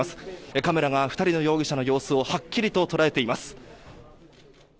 カメラが２人の容疑者の様子をはっきりと捉えています。